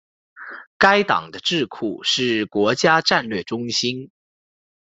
该党的智库是国家战略中心。